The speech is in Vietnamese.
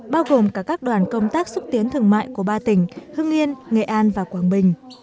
bao gồm cả các đoàn công tác xúc tiến thương mại của ba tỉnh hưng yên nghệ an và quảng bình